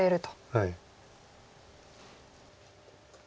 はい。